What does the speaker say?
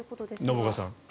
信岡さん。